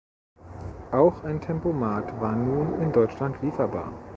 Auch ein Tempomat war nun in Deutschland lieferbar.